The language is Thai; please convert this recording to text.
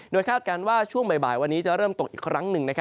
คาดการณ์ว่าช่วงบ่ายวันนี้จะเริ่มตกอีกครั้งหนึ่ง